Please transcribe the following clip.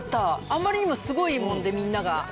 あまりにもすごいもんでみんなが。